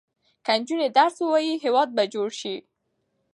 که نجونې درس ووايي، هېواد به جوړ شي.